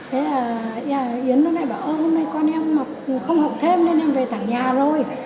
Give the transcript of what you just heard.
thế là yến nói này bảo hôm nay con em không hậu thêm nên em về thẳng nhà rồi